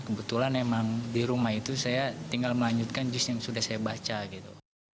kebetulan emang di rumah itu saya tinggal melanjutkan just yang sudah saya baca gitu